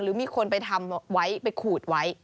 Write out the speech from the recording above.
มีคนไปทำไว้ไปขูดไว้